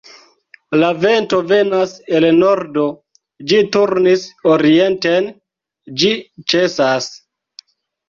La vento venas el nordo; ĝi turnis orienten, ĝi ĉesas.